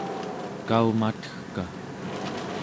kaumategka